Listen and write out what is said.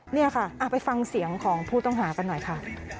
นี่ค่ะไปฟังเสียงของผู้ต้องหากันหน่อยค่ะ